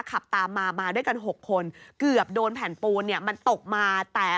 ขับตามมามาด้วยกัน๖คนเกือบโดนแผ่นปูนเนี่ยมันตกมาแต่